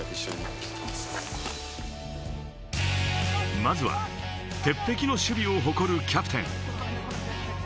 まずは、鉄壁の守備を誇るキャプテン。